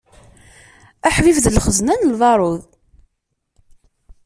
Aḥbib d lxezna n lbaṛud.